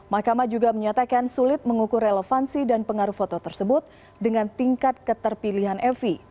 mahkamah juga menyatakan sulit mengukur relevansi dan pengaruh foto tersebut dengan tingkat keterpilihan evi